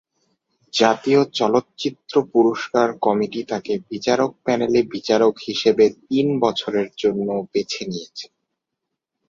জাতীয় চলচ্চিত্র পুরস্কার কমিটি তাকে বিচারক প্যানেলে বিচারক হিসাবে তিন বছরের জন্য বেছে নিয়েছে।